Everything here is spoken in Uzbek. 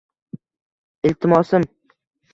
Iltimosim —